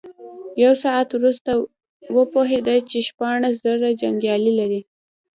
يو ساعت وروسته وپوهېد چې شپاړس زره جنيګالي لري.